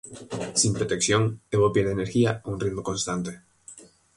Sin protección, Evo pierde energía a un ritmo constante.